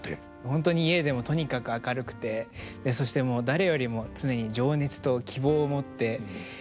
本当に家でもとにかく明るくてそして誰よりも常に情熱と希望を持ってもうやっぱり元気な人で。